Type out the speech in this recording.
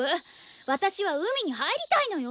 私は海に入りたいのよ！